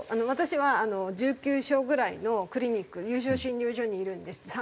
私は１９床ぐらいのクリニック有床診療所にいるんです。